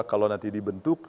kalau nanti dibentuk